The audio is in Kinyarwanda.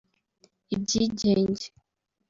ibyigenge